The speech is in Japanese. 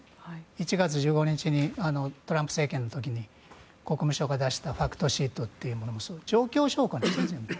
１月１５日にトランプ政権の時に国務省が出したファクトシートというのは全部、状況証拠なんですね。